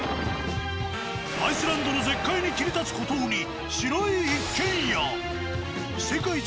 アイスランドの絶海に切り立つ孤島に白い世界一